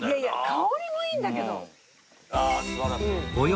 香りもいいんだけど！